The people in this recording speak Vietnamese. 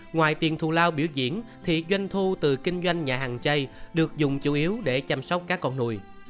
ngoài tiền thù lao biểu diễn thì doanh thu từ kinh doanh nhà hàng chay được dùng chủ yếu để chăm sóc các con nuôi